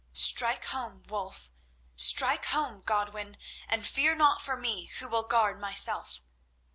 Strike home, Wulf, strike home, Godwin, and fear not for me who will guard myself.